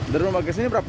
dari rumah ke sini berapa